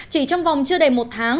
chỉ trong vòng chưa đầy một tháng